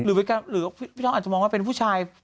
หรือพี่น้องอาจจะมองว่าเป็นผู้ชาย